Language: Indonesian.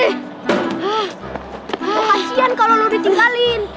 ah kasihan kalo lu ditinggalin